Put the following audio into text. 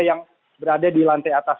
yang berada di lantai atas